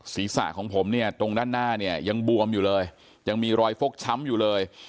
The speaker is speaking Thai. ศีรษะของผมเนี่ยตรงด้านหน้าเนี่ยยังบวมอยู่เลยยังมีรอยฟกช้ำอยู่เลย